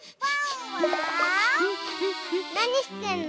なにしてんの？